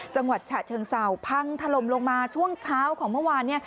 จังหวัดฉะเชิงเศร้าพังถล่มลงมาช่วงเช้าของเมื่อวาน